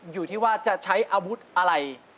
อยู่ที่ว่าจะใช้อาวุธอะไร